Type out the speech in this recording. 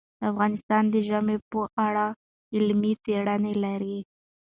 افغانستان د ژمی په اړه علمي څېړنې لري.